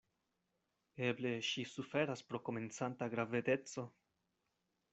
Eble ŝi suferas pro komencanta gravedeco.